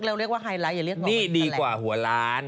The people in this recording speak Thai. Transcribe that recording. เราเรียกว่าไฮไลทอย่าเรียกนี่ดีกว่าหัวล้าน